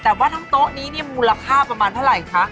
แต่ว่าทั้งโต๊ะนี้เนี่ยมูลค่าประมาณเท่าไหร่คะ